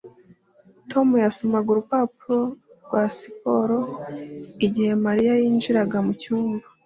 tom yasomaga urupapuro rwa siporo igihe mariya yinjiraga mucyumba